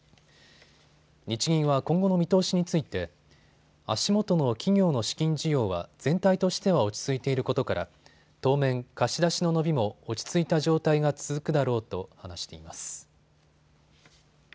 日銀は今後の見通しについて足元の企業の資金需要は全体としては落ち着いていることから当面、貸し出しの伸びも落ち着いた状態が続くだろうと話しています。